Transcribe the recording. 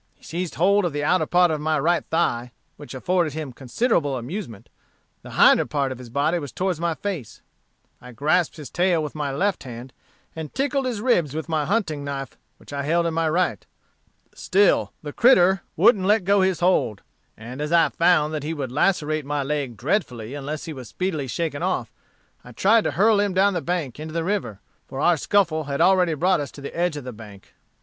He seized hold of the outer part of my right thigh, which afforded him considerable amusement; the hinder part of his body was towards my face; I grasped his tail with my left hand, and tickled his ribs with my haunting knife, which I held in my right. Still the critter wouldn't let go his hold; and as I found that he would lacerate my leg dreadfully unless he was speedily shaken off, I tried to hurl him down the bank into the river, for our scuffle had already brought us to the edge of the bank.